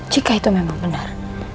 jika itu memang benar